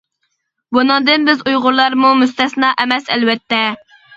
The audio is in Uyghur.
بۇنىڭدىن بىز ئۇيغۇرلارمۇ مۇستەسنا ئەمەس ئەلۋەتتە.